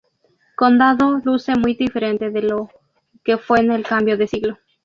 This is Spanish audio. Condado luce muy diferente de lo que fue en el cambio de siglo.